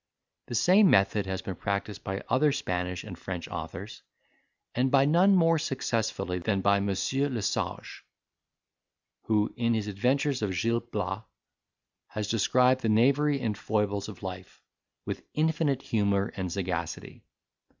The same method has been practised by other Spanish and French authors, and by none more successfully than by Monsieur Le Sage, who, in his Adventures of Gil Blas, has described the knavery and foibles of life, with infinite humour and sagacity.